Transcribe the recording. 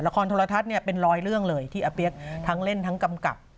ละครทรทัศน์ป็อซเป็น๑๐๐เรื่องเลยที่เปี๊ยกทั้งเล่นทั้งกำกับ